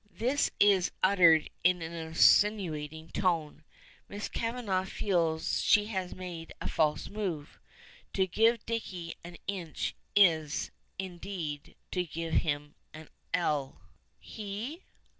This is uttered in an insinuating tone. Miss Kavanagh feels she has made a false move. To give Dicky an inch is, indeed, to give him an ell. "He?